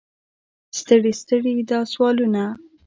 ستړي ستړي دا سوالونه.